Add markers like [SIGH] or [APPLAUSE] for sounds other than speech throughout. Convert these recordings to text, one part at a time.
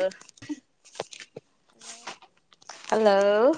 ꯑ hello hello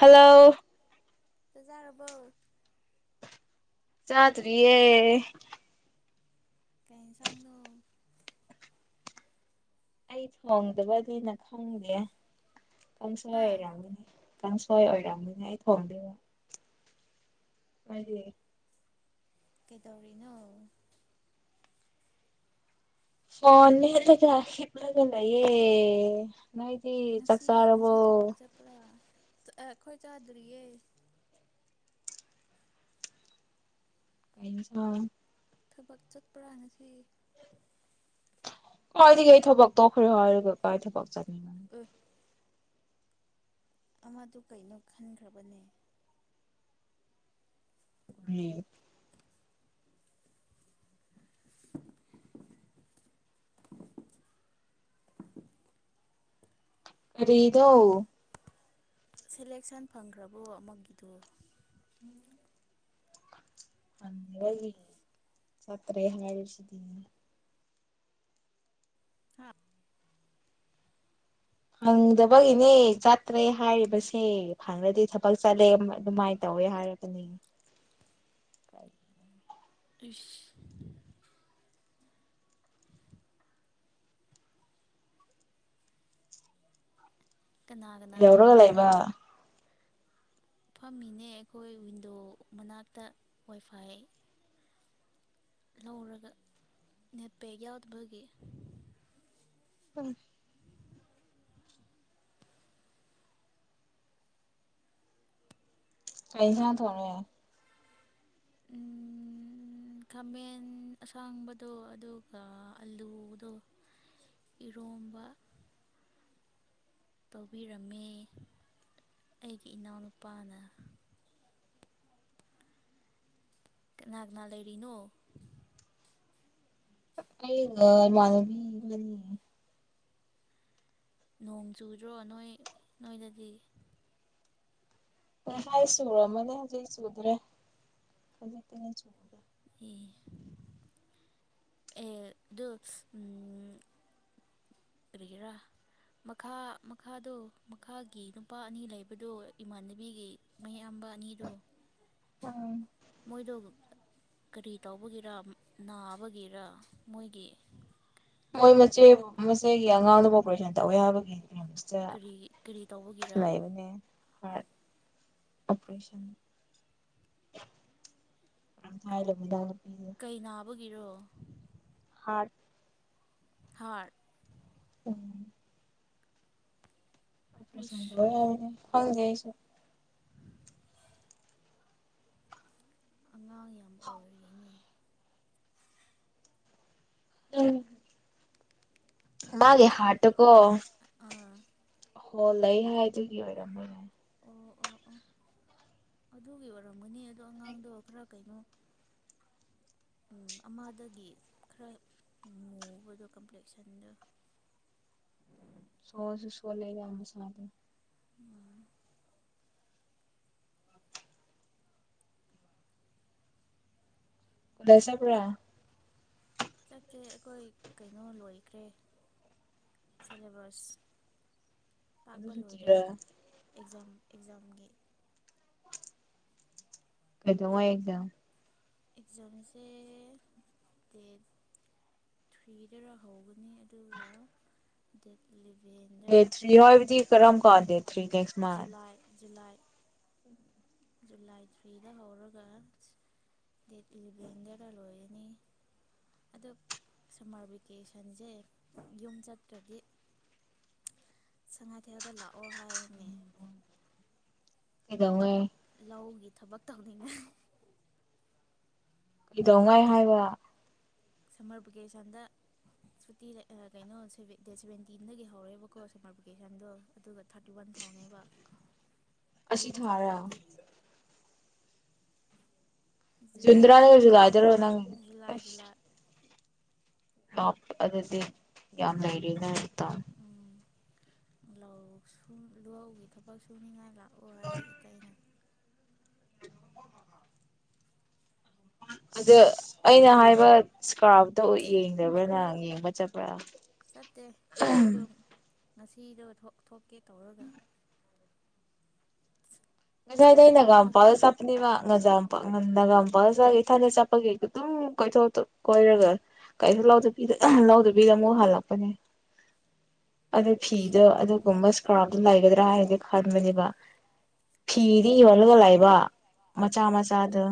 hello [INAUDIBLE] ꯖꯔꯔꯕꯣ ꯆꯇ꯭ꯔꯤꯌꯦ ꯀꯩ ꯏꯟꯁꯥꯡꯗꯣ ꯑꯩ ꯊꯣꯡꯗꯕꯅꯤꯅ ꯈꯪꯗꯦ [UNINTELLIGIBLE] ꯍꯥ ꯍꯥꯏꯔꯅꯤ ꯁꯣꯏ ꯑꯣꯏꯅꯤ ꯑꯩ ꯊꯣꯡꯗꯦꯕ ꯃꯗꯤ ꯀꯩꯗꯧꯔꯤꯅꯣ ꯐꯣꯟ ꯃꯦꯠꯂꯒ ꯍꯤꯞꯂꯒ ꯂꯩꯌꯦ ꯅꯣꯏꯗꯤ ꯆꯥꯛ ꯆꯥꯔꯕꯣ ꯑꯦꯈꯣꯏ ꯆꯥꯗ꯭ꯔꯤꯌꯦ ꯀꯁ [UNINTELLIGIBLE] ꯊꯕꯛ ꯆꯠꯄ꯭ꯔꯥ ꯉꯁꯤ ꯍꯣꯏꯗꯤ ꯑꯩ ꯊꯕꯛ ꯇꯧꯈ꯭ꯔꯦ ꯍꯥꯏꯔꯒ ꯀꯥꯢ ꯑꯩ ꯊꯕꯛ ꯆꯠꯅꯤꯡ ꯎ ꯑꯃꯗꯨ ꯀꯩꯅꯣ ꯈꯟꯈ꯭ꯔꯕꯅꯦ ꯎ ꯒꯔꯤꯗꯣ ꯁꯦꯂꯦꯛꯁꯟ ꯐꯪꯈ꯭ꯔꯕꯣ ꯑꯃꯒꯤꯗꯨ [UNINTELLIGIBLE] ꯁꯥꯠꯇ꯭ꯔꯦ ꯍꯥꯏꯔꯤꯁꯤꯗꯤ ꯍꯥꯞ ꯐꯪꯗꯕꯒꯤꯅꯦ ꯆꯠꯇ꯭ꯔꯦ ꯍꯥꯏꯔꯤꯕꯁꯦ ꯐꯪꯂꯗꯤ ꯊꯕꯛ ꯆꯠꯂꯦ ꯑꯗꯨꯃꯥꯏꯅ ꯇꯧꯋꯦ ꯍꯥꯏꯔꯕꯅꯦ ꯏꯁ ꯀꯅꯥ ꯀꯅꯥ ꯀꯩꯗꯧꯔꯒ ꯂꯩꯔꯤꯅꯣ ꯂꯩꯕ ꯐꯝꯃꯤꯅꯦ ꯑꯩꯈꯣꯏ ꯋꯤꯟꯗꯣ ꯃꯅꯥꯛꯇ ꯋꯥꯏꯐꯥꯏ ꯂꯧꯔꯒ ꯅꯦꯠꯄꯦ ꯌꯥꯎꯗꯕꯒꯤ ꯎꯝ ꯀꯩꯁꯥꯡ ꯊꯣꯡꯉꯦ ꯈꯥꯃꯦꯟ ꯑꯁꯥꯡꯕꯗꯣ ꯑꯗꯨꯒ ꯑꯂꯨꯗꯣ ꯏꯔꯣꯝꯕ ꯇꯧꯕꯤꯔꯝꯃꯤ ꯑꯩꯒꯤ ꯏꯅꯥꯎꯅꯨꯄꯥꯅ ꯀꯅꯥ ꯀꯅꯥ ꯂꯩꯔꯤꯅꯣ ꯑꯩꯒ ꯃꯥꯅꯕꯤ ꯃꯅꯤ ꯅꯣꯡ ꯆꯨꯗ꯭ꯔꯣ ꯅꯣꯏ ꯅꯣꯏꯗꯗꯤ ꯃꯥꯏ ꯁꯨꯔꯝꯃꯅꯤ ꯍꯧꯖꯤꯛ ꯁꯨꯗ꯭ꯔꯦ ꯈꯖꯤꯛꯇꯤꯅꯦ ꯁꯨꯗ꯭ꯔꯦ ꯑꯦ ꯑꯗꯨ ꯎꯝ ꯑꯣꯏꯔꯤꯒꯦꯔꯥ ꯃꯈꯥ ꯃꯈꯥꯗꯣ ꯃꯈꯥꯒꯤ ꯅꯨꯄꯥ ꯑꯅꯤ ꯂꯩꯕꯗꯨ ꯏꯃꯥꯟꯅꯕꯤꯒꯤ ꯃꯌꯥ ꯌꯥꯝꯕ ꯑꯅꯤꯗꯣ ꯎꯝ ꯃꯣꯏꯗꯣ ꯀꯔꯤ ꯇꯧꯕꯒꯤꯔꯥ ꯅꯥꯕꯒꯤꯔꯥ ꯃꯣꯏꯒꯤ ꯃꯣꯏ ꯃꯆꯦ ꯃꯆꯦꯒꯤ ꯑꯉꯥꯡꯗꯨꯕꯨ ꯑꯣꯄꯔꯦꯁꯟ ꯇꯧꯋꯦ ꯍꯥꯏꯕꯒꯤꯅꯦ ꯀꯔꯤ ꯀꯔꯤ ꯇꯧꯕꯒꯤꯔꯥ ꯂꯩꯕꯅꯦ ꯍꯥꯔꯠ ꯑꯣꯄ꯭ꯔꯦꯁꯟ ꯃꯔꯝ [UNINTELLIGIBLE] ꯀꯩ ꯅꯥꯕ ꯒꯤꯔꯣ ꯍꯥꯔꯠ ꯍꯥꯔꯠ ꯎꯝ ꯑꫭꯄ꯭ꯔꯦꯁꯟ ꯋꯤꯁ ꯇꯧꯋꯦ ꯍꯥꯏꯕꯅꯦ ꯈꯪꯗꯦ ꯑꯩꯁꯨ ꯎ ꯑꯉꯥꯡ ꯌꯥꯝ ꯍꯥꯎ ꯑꯣꯏꯔꯤꯅꯦ ꯎꯝ ꯃꯥꯒꯤ ꯍꯥꯔꯠꯇꯨꯀꯣ ꯑꯥ ꯍꯣꯜ ꯂꯩ ꯍꯥꯏꯗꯨꯒꯤ ꯑꯣꯏꯔꯝꯕ ꯌꯥꯏ ꯑꯣ ꯑꯣ ꯑꯣ ꯑꯗꯨꯒꯤ ꯑꯣꯏꯔꯝꯒꯅꯤ ꯑꯗꯣ ꯑꯉꯥꯡꯗꯣ ꯈꯔ ꯀꯩꯅꯣ ꯎꯝ ꯑꯃꯗꯒꯤ ꯈꯔ ꯃꯨꯕꯗꯣ ꯀꯝꯄ꯭ꯂꯦꯛꯁꯟꯗ ꯁꯣꯁꯨ ꯁꯣꯂꯦ ꯌꯥꯝ ꯃꯁꯥꯗꫭ ꯎꯝ ꯗꯁꯄ꯭ꯔꯤꯌꯥ ꯆꯠꯇꯦ ꯑꯩꯈꯣꯏ ꯀꯩꯅꯣ ꯂꯣꯏꯈ꯭ꯔꯦ ꯁꯦꯂꯦꯕꯁ ꯑꯗꯨ ꯇꯥꯛꯄ ꯂꯣꯏꯔꯦ ꯁꯨꯇꯤꯔ ꯑꯦꯛꯖꯥꯝ ꯑꯦꯛꯖꯥꯝꯒꯤ ꯀꯩꯗꯧꯉꯩ ꯑꯦꯛꯖꯥꯝ ꯑꯦꯛꯖꯥꯝꯁꯦ ꯗꯦꯠ ꯊ꯭ꯔꯤꯗꯔ ꯍꯧꯒꯅꯤ ꯑꯗꯨ ꯗꯦꯠ ꯗꯦꯠ ꯏꯂꯚꯦꯟꯗꯔ ꯊ꯭ꯔꯤ ꯍꯥꯏꯕꯗꯤ ꯀꯔꯝ ꯀꯥꯟ date three next month July July July ꯊ꯭ꯔꯤꯗ ꯍꯧꯔꯒ ꯗꯦꯠ ꯏꯂꯚꯦꯟꯗꯔ ꯂꯣꯏꯔꯅꯤ ꯑꯗꯣ ꯁꯝꯃꯔ ꯚꯦꯀꯦꯁꯟꯁꯦ ꯌꯨꯝ ꯆꯠꯇ꯭ꯔꯗꯤ ꯁꯉꯥꯏꯊꯦꯜꯗ ꯂꯥꯛꯑꯣ ꯍꯥꯌꯦꯅꯦ ꯀꯩꯗꯧꯉꯩ ꯂꯧꯒꯤ ꯊꯕꯛ ꯇꯧꯅꯤꯡꯉꯥꯏ ꯀꯩꯗꯧꯉꯩ ꯍꯥꯏꯕ ꯁꯝꯃꯔ ꯚꯦꯀꯦꯁꯟꯗ ꯁꯨꯇꯤ ꯑ ꯀꯩꯅꯣ ꯈꫭꯏꯒꯤ ꯗꯦꯠ ꯁꯚꯦꯟꯇꯤꯟꯗꯒꯤ ꯍꯧꯔꯒꯀꯣ ꯁꯝꯃꯔ ꯚꯦꯀꯦꯁꯟꯗꯣ ꯑꯗꯨꯒ ꯊꯥꯔꯇꯤ ꯋꯥꯟ ꯐꯥꯎꯅꯦꯕ ꯑꯁꯤ ꯌꯨꯝ ꯊꯥꯔ ꯆꯇ꯭ꯔꯗꯤ ꯖꯨꯂꯥꯏꯗ ꯖꯨꯗꯔꯥꯗꯩ ꯖꯨꯂꯥꯏꯗꯔ ꯅꯪ ꯖꯨꯂꯥꯏ ꯖꯨꯂꯥꯏ ꯀꯥꯞ ꯑꯗꯨꯗꯤ ꯌꯥꯝ ꯂꯧꯔꯤꯅ ꯇꯥꯝ ꯎꯝ ꯂꯧ ꯁꯤꯡ ꯂꯧꯍꯒꯤ ꯊꯕꯛ ꯁꯨꯅꯤꯡꯉꯥꯏ ꯂꯥꯛꯑꯣ ꯍꯥꯏꯌꯦ ꯏꯄꯥꯅ ꯑꯗꯨ ꯑꯩꯅ ꯍꯥꯏꯕ ꯏꯁꯀꯥꯞꯇꫭ ꯌꯦꯡꯗꯕ꯭ꯔꯥ ꯅꯪ ꯌꯦꯡꯕ ꯆꯠꯄ꯭ꯔꯥ ꯆꯠꯇꯦ ꯑꯩꯗꯣ ꯉꯁꯤꯗꯣ ꯊꯣꯛ ꯊꯣꯛꯀꯦ ꯇꯧꯔꯒ ꯁꯥ ꯃꯖꯥꯏꯗꯅꯒꯝ ꯄꯥꯎ ꯃꯟꯕꯒꯤ ꯆꯄꯅꯤ ꯃꯥ ꯉꯖꯝ ꯄꯥꯎ ꯉꯟꯅꯒꯥꯝ ꯐꯖꯒ ꯏꯊꯟꯗ ꯆꯠꯄꯒꯤ ꯑꯗꯨꯝ ꯀꯣꯏꯊꯣꯛ ꯀꯣꯏꯔꯒ ꯀꯩ ꯂꯧꯗꯕꯤꯗ ꯑꯃꯨꯛ ꯍꯜꯂꯛꯄꯅꯦ ꯑꯗꯨ ꯑꯁ ꯐꯤꯗꯣ ꯑꯗꯨꯒꯨꯝꯕ ꯊ ꯑꯗꯨ ꯂꯥꯛꯒꯗ꯭ꯔꯥ ꯍꯥꯏꯒꯦ ꯈꯔ ꯃꯅꯤꯕ ꯐꯤꯗꯤ ꯑꯁꯤꯗꯗꯤꯀꯣ ꯌꯣꯜꯂꯒꯂꯥꯛꯏꯕ ꯃꯆꯥ ꯃꯆꯥ ꯆꯥꯗ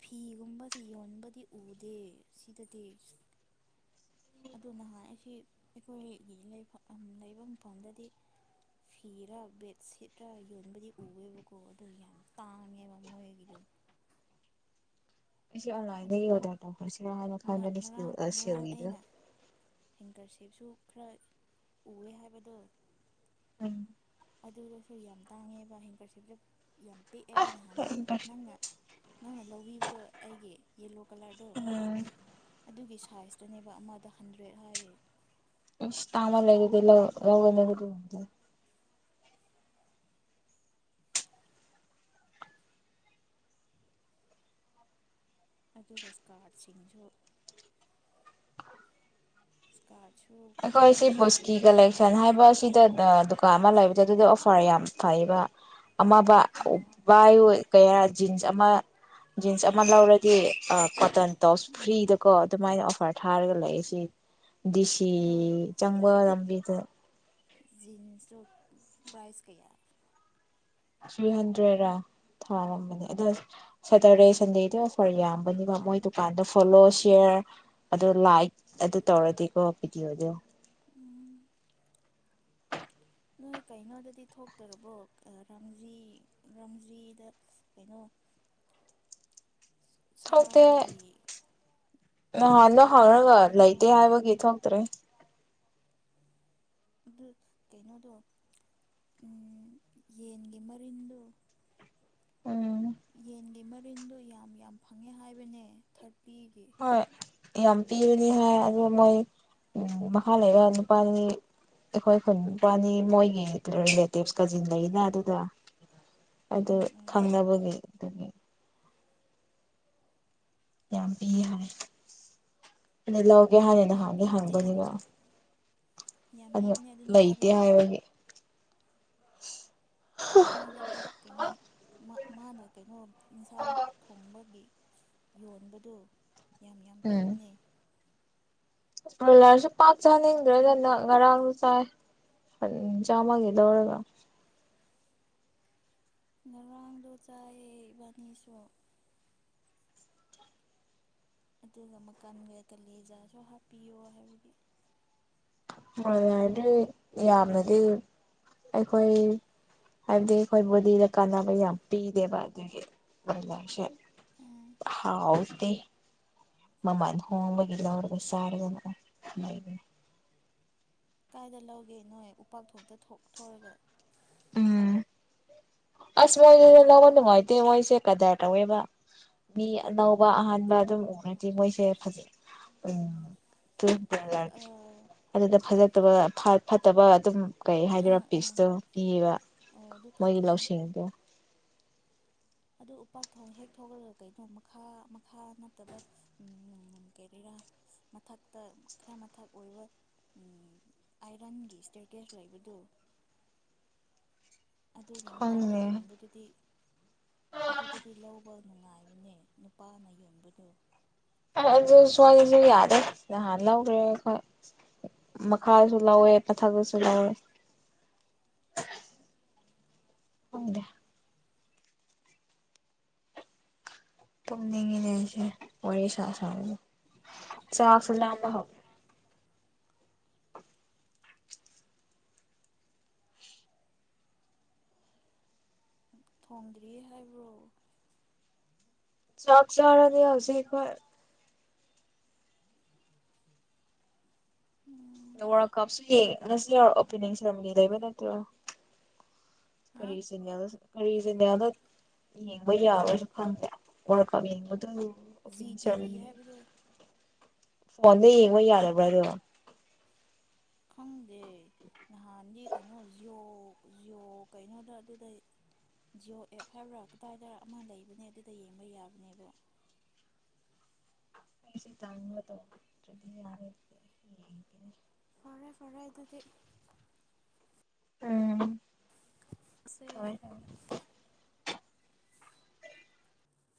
ꯐꯤꯒꯨꯝꯕꯁ ꯌꯣꯟꯕꯗꯤ ꯎꯗꯦ ꯁꯤꯗꯗꯤ ꯑꯗꯨ ꯅꯍꯥꯟꯁꯤ ꯑꯩꯈꯣꯏꯒꯤ ꯂꯩꯐꯝ ꯂꯩꯕ ꯃꯐꯝꯗꯗꯤ ꯐꯤꯔꯥ ꯕꯦꯠꯁꯤꯠꯔ ꯌꯣꯟꯕꯗꯤ ꯎꯋꯦꯕꯀꯣ ꯑꯗꯨ ꯌꯥꯝ ꯇꯥꯡꯉꯦꯕ ꯃꯣꯏꯒꯤꯗꯣ ꯑꯩꯁꯦ ꯑꯣꯟꯂꯥꯏꯟꯗꯒꯤ ꯑꯗꯨꯒ ꯑꯣꯔꯗꯔ ꯇꯧꯈ꯭ꯔꯁꯤꯔ ꯍꯥꯏꯅ ꯈꯟꯕꯅꯦ ꯉꯔꯥꯡ ꯁ꯭ꯋꯒꯤꯗ ꯀꯞꯁꯨ ꯈꯔ ꯎꯋꯦ ꯍꯥꯏꯕꯗꯣ ꯎꯝ ꯑꯗꯨꯗꯁꯨ ꯌꯥꯝ ꯇꯥꯡꯉꯦꯕ ꯍꯤꯡꯀꯠꯁꯦ ꯄꯨꯂꯞ ꯌꯥꯝ ꯄꯤꯛꯑꯦꯕ ꯅꯍꯥꯟ ꯑꯁ ꯅꯪ ꯅꯪꯅ ꯅꯪꯅ ꯂꯧꯕꯤꯕꯗꯣ ꯑꯩꯒꯤ ꯌꯦꯂꯣ ꯀꯂꯔꯗꯣ ꯑꯗꯨꯒꯤꯁꯨ ꯁꯥꯏꯖꯇꯨꯅꯦꯕ ꯑꯃꯗ ꯍꯟꯗ꯭ꯔꯦꯠ ꯍꯥꯏꯌꯦ ꯏꯁꯥꯃ ꯂꯩ ꯂꯩꯗꯤ ꯂ ꯂꯒ ꯑꯗꯨꯒ ꯏꯁꯀꯥꯔꯠꯁꯤꯡꯁꯨ ꯏꯁꯥꯔ ꯑꯩꯈꯣꯏ ꯁꯤ ꯕꯁꯀꯤ ꯀꯂꯦꯛꯁꯟ ꯍꯥꯏꯕ ꯁꯤꯗ ꯗꯨꯀꯥꯟ ꯑꯃ ꯂꯩꯕꯗ ꯑꯗꯨꯗ ꯑꯣꯐꯔ ꯌꯥꯝ ꯐꯩꯕ ꯑꯃꯕ ꯑꯥ ꯕꯥꯏ ꯀꯔꯥ ꯖꯤꯟꯁ ꯑꯃ ꯖꯤꯟꯁ ꯑꯃ ꯂꯧꯔꯗꯤ ꯀꯣꯇꯟ ꯇꯣꯁ ꯎꯝ ꯐ꯭ꯔꯤꯗꯀꯣ ꯑꯗꯨꯃꯥꯏꯅ ꯑꯣꯐꯔ ꯊꯥꯔꯒ ꯂꯩ ꯁꯤ ꯑꯗꯣ ꯆꯪꯕ ꯂꯝꯕꯤꯗ ꯖꯤꯤꯟꯁꯁꯨ ꯄ꯭ꯔꯥꯏꯖ ꯀꯩꯌꯥ ꯊ꯭ꯔꯤ ꯍꯟꯗ꯭ꯔꯦꯗ ꯊꯥꯔꯝꯕꯅꯦ ꯑꯗꯣ ꯁꯦꯇꯔꯗꯦ ꯁꯟꯗꯦꯗ ꯑꯣꯐꯔ ꯌꯥꯝꯕꯅꯤꯀ ꯃꯣꯏ ꯗꯨꯀꯥꯟꯗ ꯐꯣꯂꯣ ꯁꯤꯌꯥꯔ ꯑꯗꯨꯗ ꯂꯥꯏꯛ ꯑꯗꯨ ꯇꯧꯔꯗꯤꯀꯣ ꯚꯤꯗꯤꯑꯣꯗꯣ ꯎꯝ ꯅꯣꯏ ꯀꯩꯅꯣꯗꯗꯤ ꯊꯣꯛꯇꯔꯕ꯭ꯔꯣ ꯔꯥꯖꯤ ꯔꯥꯖꯤꯗ ꯀꯩꯅꯣ ꯊꯣꯛꯇꯦ ꯁꯥꯒꯤ ꯀꯔꯤ ꯅꯍꯥꯟꯗꯣ ꯀꯔꯤꯔꯥ ꯍꯥꯡꯉꯒ ꯌꯣꯟꯕꯗꯣ ꯂꯩꯇꯦ ꯍꯥꯏꯕꯒꯤ ꯊꯣꯛꯇ꯭ꯔꯦ ꯑꯗꯨ ꯀꯩꯅꯣꯗꯣ ꯌꯦꯟꯒꯤ ꯃꯔꯤꯟꯗꯣ ꯎꯝ ꯌꯦꯟꯒꯤ ꯃꯔꯤꯟꯗꯣ ꯌꯥꯝ ꯌꯥꯝ ꯐꯪꯉꯦ ꯍꯥꯏꯕꯅꯦ ꯊꯥꯔ ꯍꯣꯏ ꯌꯥꯝ ꯄꯤꯕꯅꯤ ꯍꯥꯏ ꯑ ꯃꯣꯏ ꯎ ꯃꯈꯥ ꯂꯩꯕ ꯅꯨꯄꯥꯅꯤ ꯑꯩꯈꯣꯏ ꯈꯨꯟ ꯅꯨꯄꯥꯅꯤ ꯃꯣꯏꯒꯤ ꯔꯤꯂꯦꯇꯤꯞ ꯀꯖꯤꯟ ꯂꯩꯅ ꯑꯗꯨꯗ ꯑꯗꯨ ꯎꯝ ꯎꯝ ꯈꯪꯅꯕꯒꯤ ꯑꯗꯨ ꯌꯥꯝ ꯄꯤ ꯍꯥꯏ ꯑ ꯂ ꯒꯦ ꯍꯥꯟꯅ ꯌꯥꯝ ꯅꯍꯥꯟꯗꯤ ꯄꯤꯕꯅꯦ ꯍꯪꯕꯅꯤꯕ ꯌꯥꯝ ꯑꯗꯨ ꯄꯤꯕꯅꯦ ꯅꯨꯄꯥꯗꯣ ꯂꯩꯇꯦ ꯍꯥꯏꯕꯒꯤ [UNINTELLIGIBLE] ꯃꯣꯏꯗꯗꯤ ꯀꯩꯅꯣ ꯃꯥꯅ ꯀꯩꯅꯣ ꯌꯦꯟꯁꯥꯡ ꯊꯣꯡꯕꯒꯤ ꯌꯣꯟꯕꯗꯨ ꯌꯥꯝ ꯌꯥꯝ ꯄꯤꯕꯅꯦ ꯄꯂꯔꯁꯨ ꯄꯥꯛ ꯆꯥꯅꯤꯡꯗ꯭ꯔꯒꯅ ꯉꯔꯥꯡꯁꯨ ꯆꯥꯏ ꯆꯥꯝꯃꯒꯤ ꯂꯧꯔꯒ ꯉꯔꯥꯡꯗꯣ ꯆꯥꯏ ꯏꯕꯥꯅꯤꯁꯨ ꯑꯗꯨꯒ ꯃꯈꯟꯒ ꯀꯂꯖꯥꯁꯨ ꯍꯥꯞꯄꯤꯌꯣ ꯍꯥꯏꯕꯒꯤ ꯃꯂꯥꯔꯗꯤ ꯌꯥꯝꯅꯗꯤ ꯑꯩꯈꯣꯏ ꯍꯥꯏꯕꯗꯤ ꯑꯩꯈꯣꯏ ꯕꯣꯗꯤꯗ ꯀꯥꯟꯅꯕ ꯌꯥꯝ ꯄꯤꯗꯦꯕ ꯑꯗꯨꯒꯤ ꯃꯣꯂꯔꯁꯦ ꯎꯝ ꯍꯥꯎ ꯃꯃꯥꯅ ꯍꯣꯡꯕꯒꯤ ꯂꯧꯔꯒ ꯆꯔꯒꯅ ꯂꯩ ꯀꯥꯏꯗ ꯂꯧꯒꯦ ꯅꯣꯏ ꯎꯄꯥꯛ ꯊꯣꯛꯇ ꯊꯣꯔꯒ ꯎꯝ ꯑꯁ ꯃꯣꯏꯗꯨꯗ ꯂꯧꯕ ꯅꯨꯡꯉꯥꯏꯇꯦ ꯃꯣꯏꯁꯦ ꯀꯗꯥꯏ ꯂꯧꯋꯦꯕ ꯃꯤ ꯑꯅꯧꯕ ꯑꯍꯥꯟꯕ ꯑꯗꯨꯝ ꯎꯉꯗꯦ ꯃꯣꯏꯁꯦ ꯎꯝ ꯑꯥ ꯑꯗꯨꯗ ꯐꯖꯠꯇꯕ ꯐꯠꯇꯕ ꯑꯗꯨꯝ ꯀꯩ ꯍꯥꯏꯗꯣꯏꯔꯥ ꯑꯥ ꯑꯥ ꯄꯤꯛꯁꯇꯣ ꯄꯤꯕ ꯑꯣ ꯑꯗꯨ ꯃꯣꯏꯒꯤ ꯊꯝꯕꯅꯦ ꯂꯧꯁꯤꯡ ꯀꯗ ꯑꯗꯨ ꯎꯄꯥꯛ ꯊꯣꯡ ꯍꯦꯛ ꯊꯣꯛꯈ꯭ꯔꯒ ꯀꯩꯅꯣ ꯃꯈꯥ ꯃꯈꯥ ꯅꯠꯇꯕ ꯀꯔꯤꯔꯥ ꯃꯊꯛꯇ ꯈꯔ ꯃꯊꯛ ꯑꯣꯏꯕ ꯑꯥꯏꯔꯟꯒꯤ ꯏꯁꯇꯔꯀꯦꯖ ꯂꯩꯕꯗꯨ ꯑꯗꯨꯒꯤ ꯃꯅꯥꯛꯇ ꯈꯪꯗꯦ ꯌꯣꯟꯕꯗꯨꯗꯤ ꯑꯗꯨꯗꯗꯤ ꯂꯧꯕ ꯅꯨꯡꯉꯥꯏꯕꯅꯦ ꯅꯨꯄꯥꯅ ꯌꯣꯟꯕꯗꯨ ꯑꯗꯨ ꯁ꯭ꯋꯥꯏꯗꯁꯨ ꯌꯥꯗꯦ ꯅꯍꯥꯟ ꯂꯧꯈ꯭ꯔꯦ ꯑꯩꯣꯏ ꯃꯈꯥꯁꯨ ꯂꯧꯋꯦ ꯃꯊꯛꯄꯁꯨ ꯂꯧꯋꯦ ꯇꯨꯝꯅꯤꯡꯉꯤꯅꯦ ꯑꯩꯁꯦ ꯋꯥꯔꯤ ꯁꯥ ꯁꯥꯕꯗ ꯆꯥꯛꯁꯨ ꯂꯝꯕ ꯍꯧꯥꯎꯋꯦ ꯊꯣꯡꯗ꯭ꯔꯤ ꯍꯥꯏꯕ꯭ꯔꯣ ꯆꯥꯛ ꯆꯔꯅꯤ ꯍꯧꯖꯤꯛꯣꯏ ꯎꯝ ꯋꯥꯔꯜ ꯀꯞꯁꯨ ꯌꯦꯡꯉ ꯉꯁꯤ ꯌꯥꯔ ꯑꯣꯄꯦꯅꯤꯡ ꯁꯦꯔꯃꯅꯤ ꯂꯩꯕ ꯅꯠꯇ꯭ꯔꯣ ꯍꯥ ꯀꯔꯤꯁꯤꯡꯅꯤꯌꯥꯗ ꯀꯔꯤꯁꯦꯅꯦꯌꯥꯗ ꯌꯦꯡꯕ ꯌꯥꯔꯣꯏꯁꯨ ꯈꯪꯗꯦ ꯋꯥꯔꯀꯥ ꯌꯦꯡꯕꯗ ꯖꯤ ꯇꯤꯚꯤ ꯍꯥꯏꯕꯗꯣ ꯐꯣꯟꯗ ꯌꯦꯡꯕ ꯌꯥꯔꯕ꯭ꯔꯥꯔꯣ ꯈꯪ ꯍꯥꯟ ꯀꯩꯅꯣ ꯖꯤꯌꯣ ꯖꯤꯌꯣ ꯀꯩꯅꯣꯗ ꯑꯗꯨꯗ ꯖꯤꯌꯑꯣ ꯑꯦꯞ ꯍꯥꯏꯕ꯭ꯔꯥ ꯀꯗꯥꯏꯗ ꯑꯃ ꯂꯩꯕꯅꯦ ꯑꯗꯨꯗ ꯌꯦꯡꯕ ꯌꯥꯕꯅꯦꯕ ꯑꯩꯁꯦ ꯇꯥꯡꯕ ꯇꯧꯗ꯭ꯔꯗꯤ ꯌꯥꯔꯦ ꯌꯦꯡꯒꯦꯅꯦ ꯐꯥꯏ ꯐꯔꯦ ꯑꯗꯨꯗꯤ ꯎꯝ ꯁꯦ ꯍꯣꯏ